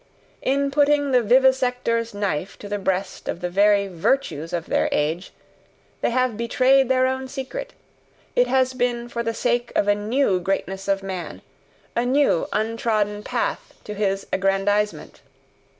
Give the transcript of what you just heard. In putting the vivisector's knife to the breast of the very VIRTUES OF THEIR AGE, they have betrayed their own secret; it has been for the sake of a NEW greatness of man, a new untrodden path to his aggrandizement.